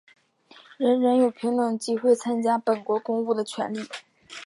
人人有平等机会参加本国公务的权利。